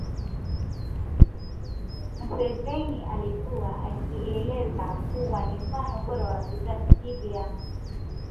museveni alikuwa akielezewa kuwa ni mfano bora wa kizazi kipya